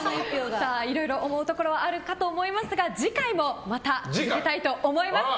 いろいろ思うところはあるかと思いますが次回もまたやりたいと思います。